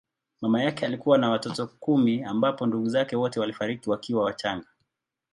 Mama yake alikuwa na watoto kumi ambapo ndugu zake wote walifariki wakiwa wachanga.